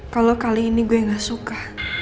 kalau kali ini gue yang gak suka